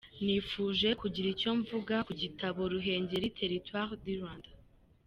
Nifuje kugira icyo mvuga ku gitabo “Ruhengeli, territoire du Rwanda.